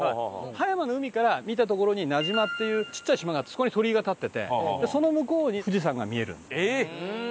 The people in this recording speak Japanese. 葉山の海から見た所に名島っていうちっちゃい島があってそこに鳥居が立っててその向こうに富士山が見える。